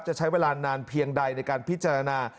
จะใช้เวลานานเพียงใดในการพิจารณา